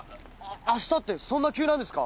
あしたってそんな急なんですか？